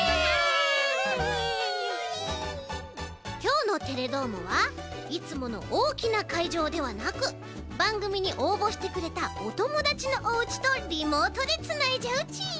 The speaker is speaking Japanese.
きょうの「テレどーも！」はいつものおおきなかいじょうではなくばんぐみにおうぼしてくれたおともだちのおうちとリモートでつないじゃうち。